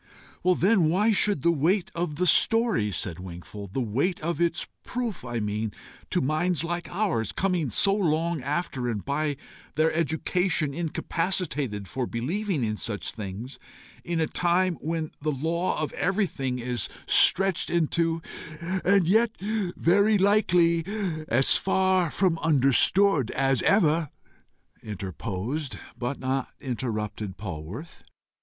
"Then why should the weight of the story," said Wingfold, "the weight of its proof, I mean, to minds like ours, coming so long after, and by their education incapacitated for believing in such things, in a time when the law of everything is searched into " "And as yet very likely as far from understood as ever," interposed but not interrupted Polwarth.